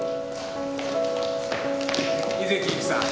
井関ゆきさん